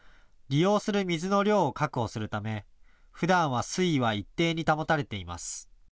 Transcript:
利用する水の量を確保するためふだんは水位は一定に保たれています。